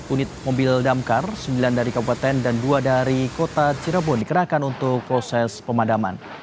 unit mobil damkar sembilan dari kabupaten dan dua dari kota cirebon dikerahkan untuk proses pemadaman